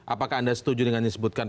apakah anda setuju dengan yang disebutkan